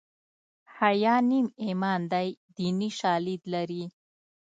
حیا نیم ایمان دی دیني شالید لري